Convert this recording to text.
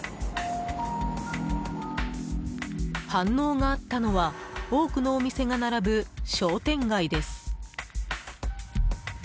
反応があったのは多くのお店が並ぶ商店街です。